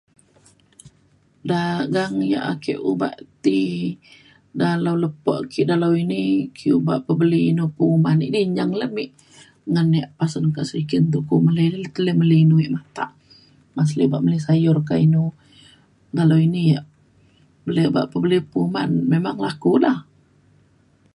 dagang ia’ ake obak ti dalau lepo ke dalau ini ke obak pa beli inu penguman idi nyeng le mik ngan ia’ pasen ka Serikin tu keluk ke le meli inu ia’ matak masih luk meli sayur ka inu dalau ini ia’ beli penguman memang laku lah